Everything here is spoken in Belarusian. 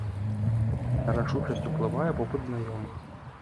На рашучасць ўплывае вопыт знаёмых.